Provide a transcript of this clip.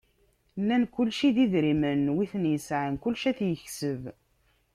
Nnan kulci d idrimen, wi ten-yesεan kullec ad t-yekseb.